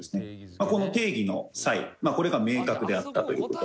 この定義の際これが明確であったという事。